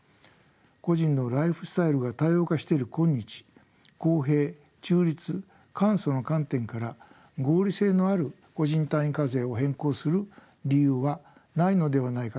個人のライフスタイルが多様化している今日公平中立簡素の観点から合理性のある個人単位課税を変更する理由はないのではないかと考えます。